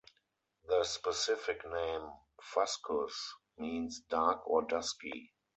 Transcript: The specific name "fuscus" means dark or dusky.